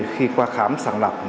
khi qua khám sàng lọc